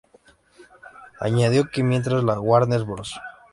Añadió que mientras la Warner Bros.